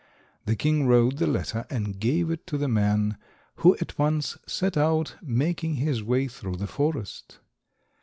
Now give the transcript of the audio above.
The king wrote the letter and gave it to the man, who at once set out, making his way through the forest.